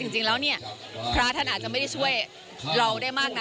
จริงแล้วเนี่ยพระท่านอาจจะไม่ได้ช่วยเราได้มากนะ